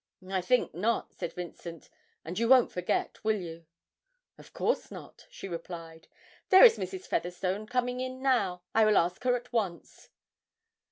'I think not,' said Vincent, 'and you won't forget, will you?' 'Of course not,' she replied. 'There is Mrs. Featherstone coming in now. I will ask her at once.'